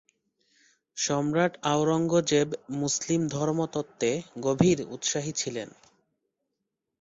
সম্রাট আওরঙ্গজেব মুসলিম ধর্মতত্ত্বে গভীর উৎসাহী ছিলেন।